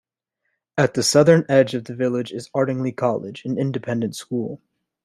At the southern edge of the village is Ardingly College, an independent school.